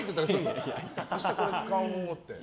明日これ使おうって。